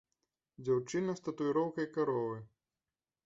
Дзяўчына з татуіроўкай каровы.